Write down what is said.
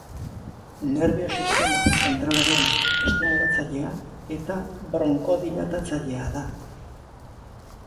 Nerbio-sistema zentralaren estimulatzailea eta bronkodilatatzailea da.